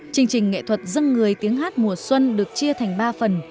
chương trình nghệ thuật dân người tiếng hát mùa xuân được chia thành ba phần